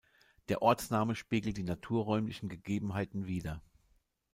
Der Ortsname spiegelt die naturräumlichen Gegebenheiten wider.